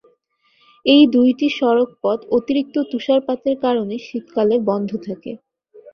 এই দুইটি সড়কপথ অতিরিক্ত তুষারপাতের কারণে শীতকালে বন্ধ থাকে।